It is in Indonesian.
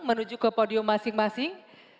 menuju ke podium masing masing